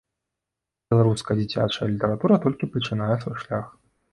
Беларуская дзіцячая літаратура толькі пачынае свой шлях.